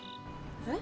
えっ？